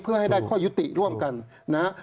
เพื่อให้ได้ข้อยุติร่วมกันนะฮะ